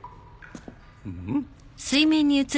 うん？